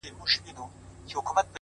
• اوس مي ذهن كي دا سوال د چا د ياد؛